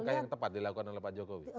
langkah yang tepat dilakukan oleh pak jokowi